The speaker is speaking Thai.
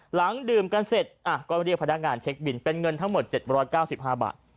ดื่มกันเสร็จก็เรียกพนักงานเช็คบินเป็นเงินทั้งหมด๗๙๕บาท